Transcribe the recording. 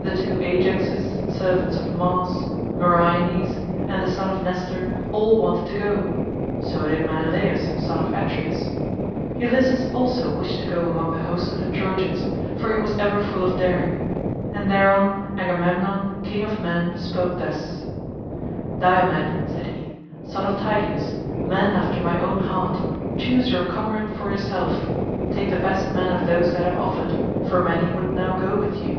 The two Ajaxes, servants of Mars, Meriones, and the son of Nestor all wanted to go, so did Menelaus son of Atreus; Ulysses also wished to go among the host of the Trojans, for he was ever full of daring, and thereon Agamemnon king of men spoke thus: "Diomed," said he, "son of Tydeus, man after my own heart, choose your comrade for yourself—take the best man of those that have offered, for many would now go with you.